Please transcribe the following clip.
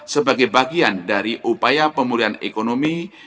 sebagai bagian dari upaya pemulihan ekonomi